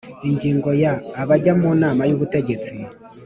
Ingingo ya Abajya mu Nama y Ubutegetsi